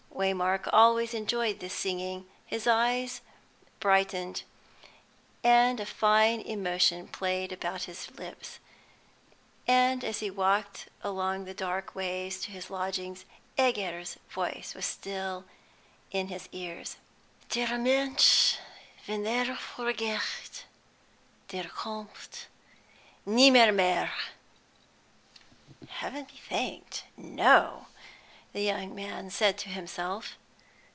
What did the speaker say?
Waymark always enjoyed this singing; his eyes brightened, and a fine emotion played about his lips. And as he walked along the dark ways to his lodgings, Egger's voice was still in his ears "Der Mensch wenn er fortgeht, der kommt nimmermefr." "Heaven be thanked, no!" the young man said to himself.